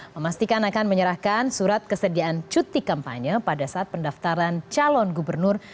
memastikan akan menyerahkan surat kesediaan cuti kampanye pada saat pendaftaran calon gubernur